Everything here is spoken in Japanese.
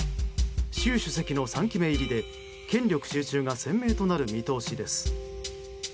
習主席の３期目入りで権力集中が鮮明となる見通しです。